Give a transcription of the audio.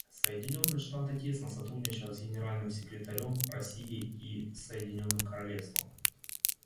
Соединенные Штаты тесно сотрудничают с Генеральным секретарем, Россией и Соединенным Королевством.